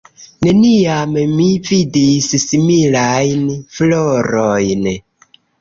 Neniam mi vidis similajn florojn.